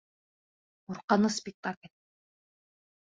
Ҡурҡыныс спектакль